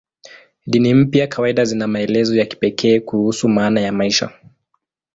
Dini mpya kawaida zina maelezo ya kipekee kuhusu maana ya maisha.